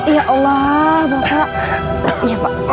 ya allah bapak